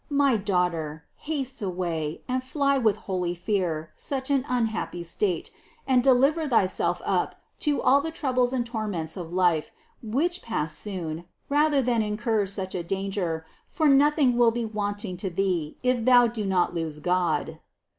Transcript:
My daughter, haste away, and fly with holy fear such an unhappy state, and deliver thyself up to all the troubles and torments of life, which pass soon, rather than incur such a danger ; for nothing will be want ing to thee, if thou do not lose God.